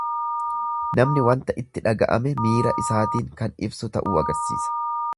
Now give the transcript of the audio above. Namni wanta itti dhaga'ame miira isaatiin kan ibsu ta'uu agarsiisa.